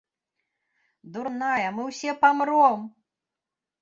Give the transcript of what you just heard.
Дурная, мы ўсе памром!